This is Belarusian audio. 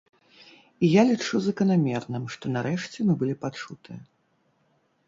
І я лічу заканамерным, што нарэшце мы былі пачутыя.